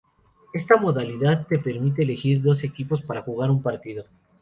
Esta modalidad te permite elegir dos equipos para jugar un partido.